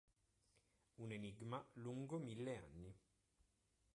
Un enigma lungo mille anni".